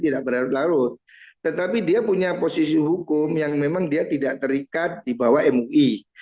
tidak berlarut larut tetapi dia punya posisi hukum yang memang dia tidak terikat di bawah mui